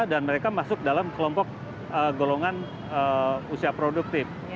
dan mereka masuk dalam kelompok golongan usia produktif